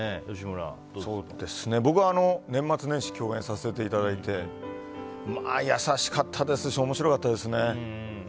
僕は年末年始共演させていただいて優しかったですし面白かったですね。